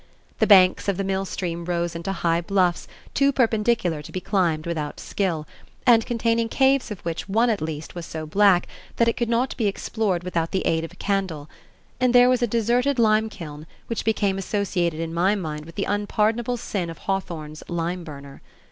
The banks of the mill stream rose into high bluffs too perpendicular to be climbed without skill, and containing caves of which one at least was so black that it could not be explored without the aid of a candle; and there was a deserted limekiln which became associated in my mind with the unpardonable sin of Hawthorne's "Lime Burner."